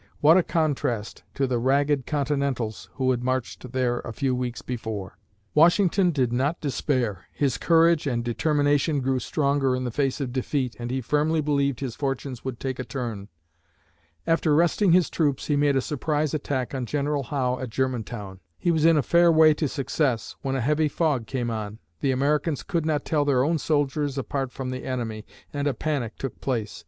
What a contrast to the ragged Continentals who had marched there a few weeks before! Washington did not despair. His courage and determination grew stronger in the face of defeat and he firmly believed his fortunes would take a turn. After resting his troops, he made a surprise attack on General Howe at Germantown. He was in a fair way to success, when a heavy fog came on. The Americans could not tell their own soldiers apart from the enemy and a panic took place.